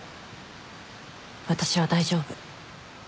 私は大丈夫。